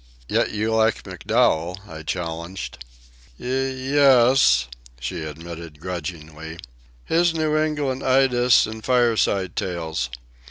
"Yet you like MacDowell," I challenged. "Y. .. es," she admitted grudgingly. "His New England Idylls and Fireside Tales.